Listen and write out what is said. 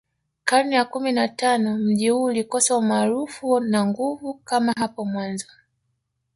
Karne ya kumi na tano mji huu ulikosa umaarufu na nguvu kama hapo mwanzo